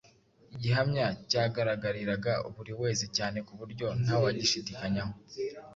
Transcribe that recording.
Igihamya cyagaragariraga buri wese cyane ku buryo ntawagishidikanyaho.